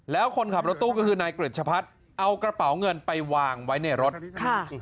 แล้วคนขับรถตู้ก็คือนายกริจชะพัฒน์เอากระเป๋าเงินไปวางไว้ในรถค่ะ